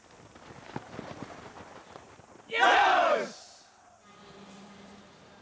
よし！